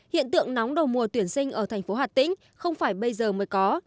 hiện tượng nóng đầu mùa tuyển sinh ở thành phố hà tĩnh không phải bây giờ mới có